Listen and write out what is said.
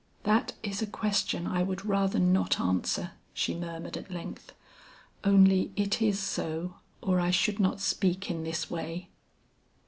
"That is a question I would rather not answer," she murmured at length. "Only it is so; or I should not speak in this way."